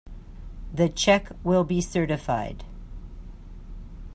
The check will be certified.